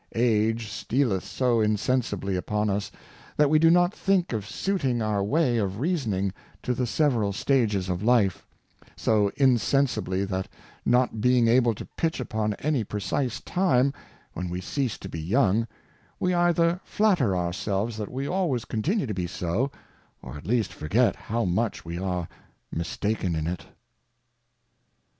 Age stealeth so insensibly upon us, that we do not think of suiting our way of Reasoning to the several Stages of Life ; so insensibly that not being able to pitch upon any precise Time, when we cease to be young, we either flatter ourselves that we always continue to be so, or at least forget how much we are mistaken in it.